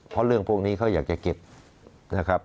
เพราะเรื่องพวกนี้เขาอยากจะเก็บนะครับ